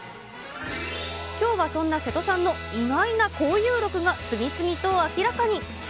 きょうはそんな瀬戸さんの意外な交遊録が次々と明らかに。